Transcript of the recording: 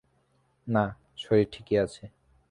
না, শরীর ঠিকই আছে।